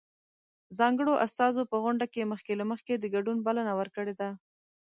ځانګړو استازو په غونډه کې مخکې له مخکې د ګډون بلنه ورکړې ده.